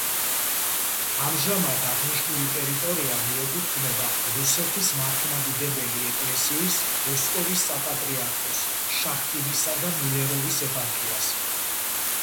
ამჟამად აღნიშნული ტერიტორია მიეკუთვნება რუსეთის მართლმადიდებელი ეკლესიის მოსკოვის საპატრიარქოს შახტინისა და მილეროვის ეპარქიას.